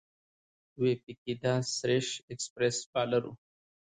وپاګیتا سريش ایکسپریس بالر وه.